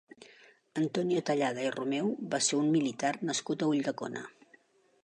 Antonio Tallada i Romeu va ser un militar nascut a Ulldecona.